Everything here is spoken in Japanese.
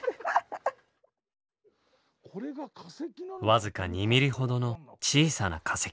わずか２ミリほどの小さな化石。